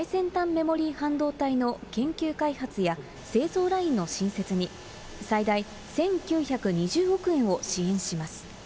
メモリー半導体の研究開発や製造ラインの新設に、最大１９２０億円を支援します。